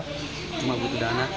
cuma butuh dana